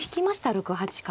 ６八角。